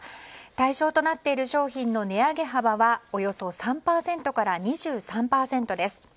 対象となっている商品の値上げ幅はおよそ３％から２３％です。